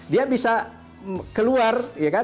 dia bisa keluar